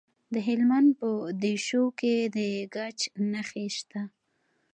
د هلمند په دیشو کې د ګچ نښې شته.